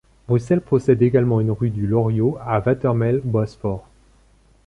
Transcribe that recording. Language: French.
Bruxelles possède également une rue du Loriot à Watermael-Boitsfort.